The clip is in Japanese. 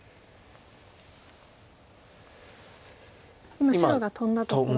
今白がトンだところですね。